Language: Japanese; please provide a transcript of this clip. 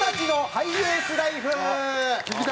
ハイエースライフ。